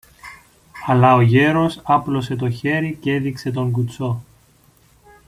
Αλλά ο γέρος άπλωσε το χέρι κι έδειξε τον κουτσό.